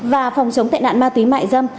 và phòng chống tệ nạn ma túy mại dâm